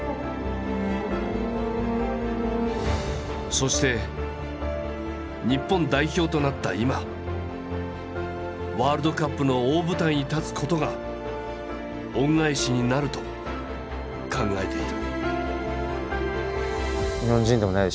そして日本代表となった今ワールドカップの大舞台に立つことが恩返しになると考えている。